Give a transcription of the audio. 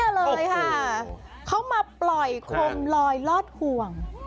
เลยค่ะเขามาปล่อยคมลอยลอดห่วง